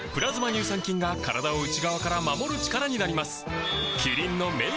乳酸菌が体を内側から守る力になります